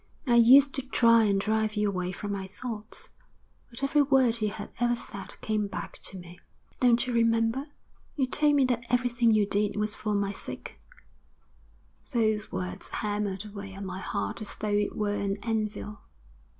I used to try and drive you away from my thoughts, but every word you had ever said came back to me. Don't you remember, you told me that everything you did was for my sake? Those words hammered away on my heart as though it were an anvil.